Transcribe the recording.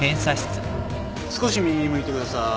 少し右に向いてください。